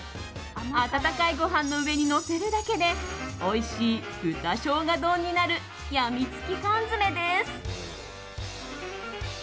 温かいご飯の上にのせるだけでおいしい豚生姜丼になるやみつき缶詰です。